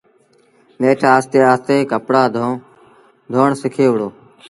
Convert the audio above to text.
نيٺ آهستي آهستي ڪپڙآ ڌون سکي وُهڙو۔